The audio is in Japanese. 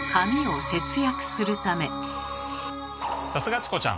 さすがチコちゃん！